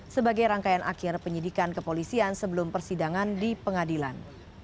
sebagai rangkaian akhir penyidikan kepolisian sebelum persidangan di pengadilan